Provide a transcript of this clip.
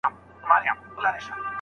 په حديث شریف کې په دې اړه څه راغلي دي؟